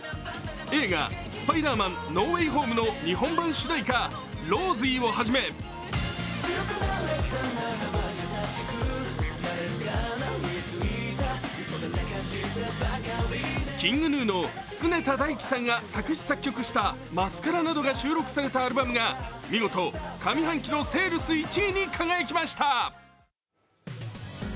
映画「スパイダーマン：ノー・ウェイ・ホーム」の日本版主題歌「Ｒｏｓｙ」をはじめＫｉｎｇＧｎｕの常田大希さんが作詞作曲した「マスカラ」などが収録されたアルバムが見事、上半期のセールス１位に輝きました。